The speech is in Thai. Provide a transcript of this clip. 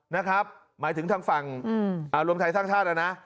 นะครับหมายถึงทางฝั่งรวมไทยสร้างชาตินะนะ